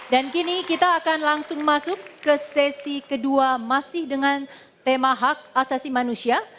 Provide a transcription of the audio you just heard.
dan kini kita akan langsung masuk ke sesi kedua masih dengan tema hak asasi manusia